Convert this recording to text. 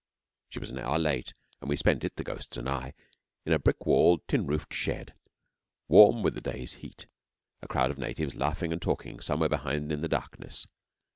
She was an hour late, and we spent it, the ghosts and I, in a brick walled, tin roofed shed, warm with the day's heat; a crowd of natives laughing and talking somewhere behind in the darkness.